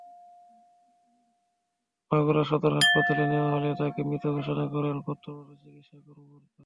মাগুরা সদর হাসপাতালে নেওয়া হলে তাঁকে মৃত ঘোষণা করেন কর্তব্যরত চিকিৎসা কর্মকর্তা।